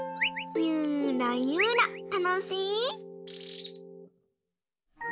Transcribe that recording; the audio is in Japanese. ゆらゆらたのしい？